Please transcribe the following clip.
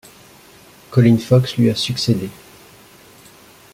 Colin Fox lui a succédé.